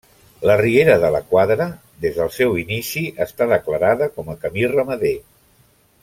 La Riera de la Quadra, des del seu inici, està declarada com a camí ramader.